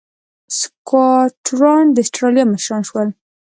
سکواټوران د اسټرالیا مشران شول.